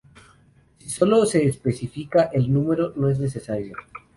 Si solo se especifica el número, no es necesario.